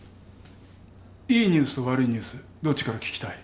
いいニュースと悪いニュースどっちから聞きたい？